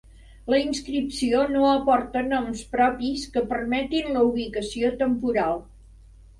La inscripció no aporta noms propis que permetin la ubicació temporal.